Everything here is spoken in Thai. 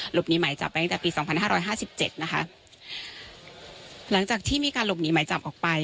หนีหมายจับไปตั้งแต่ปีสองพันห้าร้อยห้าสิบเจ็ดนะคะหลังจากที่มีการหลบหนีหมายจับออกไป